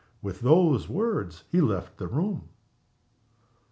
With those words he left the room.